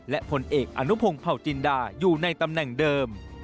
และผลเอกอนุพงศ์เผาจินดาอยู่ในตำแหน่งเดิม